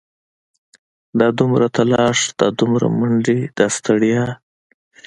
دا دومره تلاښ دا دومره منډې دا ستړيا.